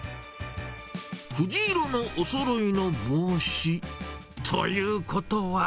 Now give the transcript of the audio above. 藤色のおそろいの帽子。ということは。